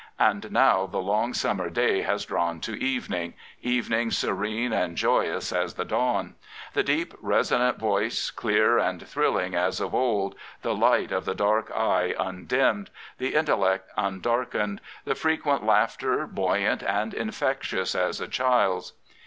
And now the long smnmer day has drawn to evening — evening serene and joyous as the dawn: the deep, resonant voice clear and thrilling as of old, the light of the dark 45 Prophets, Priests, and Kings eye undimmed, the intellect undarkened, the frequent laughter buoyant and infectious as a child's.